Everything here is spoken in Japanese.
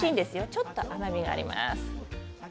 ちょっと甘みがあります。